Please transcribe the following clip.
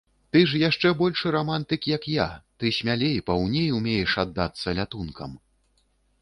Ты ж яшчэ большы рамантык, як я, ты смялей, паўней умееш аддацца лятункам.